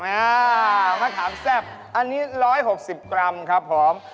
อ่ามะขามแซ่บอันนี้๑๖๐กรัมครับผม